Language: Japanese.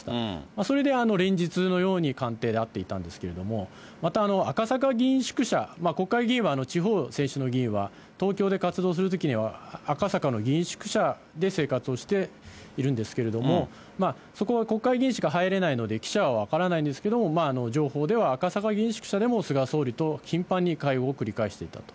それで連日のように官邸で会っていたんですけれども、また、赤坂議員宿舎、国会議員は地方選出の議員は、東京で活動するときには赤坂の議員宿舎で生活をしているんですけれども、そこは国会議員しか入れないので、記者は分からないんですけれども、情報では赤坂議員宿舎でも菅総理と頻繁に会合を繰り返していたと。